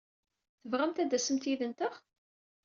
Tebɣamt ad d-tasemt yid-nteɣ?